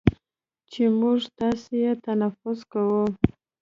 چې موږ تاسې یې تنفس کوو،